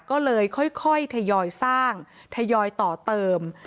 ก็เลยค่อยทยอยสร้างทยอยต่อเติม